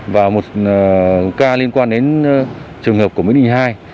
và một ca liên quan đến trường hợp của mỹ đình hai